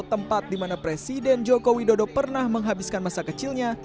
tempat di mana presiden joko widodo pernah menghabiskan masa kecilnya